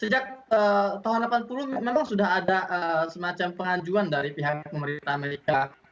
sejak tahun delapan puluh memang sudah ada semacam pengajuan dari pihak pemerintah amerika